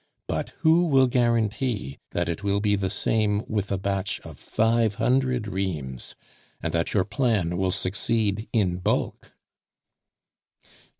But who will guarantee that it will be the same with a batch of five hundred reams, and that your plan will succeed in bulk?"